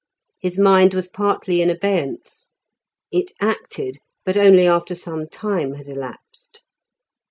His mind was partly in abeyance; it acted, but only after some time had elapsed.